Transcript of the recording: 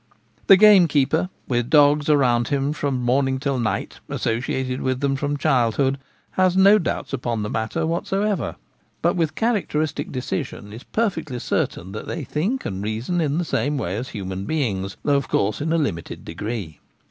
The gamekeeper, with dogs around him from morning till night, associated with them from child hood, has no doubts upon the matter whatever, but with characteristic decision is perfectly certain that they think and reason in the same way as human beings, though of course in a limited degree.